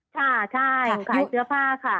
ค่ะใช่ขายเสื้อผ้าค่ะ